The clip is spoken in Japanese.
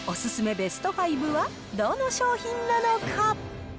ベスト５は、どの商品なのか。